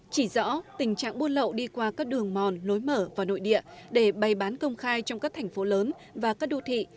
chỉ rõ tình trạng buôn lậu đi qua các đường mòn lối mở và nội địa để bày bán công khai trong các thành phố lớn và các đô thị